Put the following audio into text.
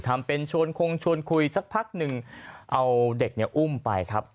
ทำเป็นชวนคงชวนคุยสักพักหนึ่งเอาเด็กเนี่ยอุ้มไปครับ